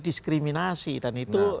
diskriminasi dan itu